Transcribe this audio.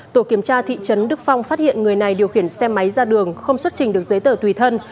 tổ kiểm tra thị trấn đức phong phát hiện người này điều khiển xe máy ra đường không xuất trình được giấy tờ tùy thân